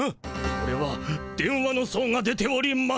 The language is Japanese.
これは「電話」の相が出ております。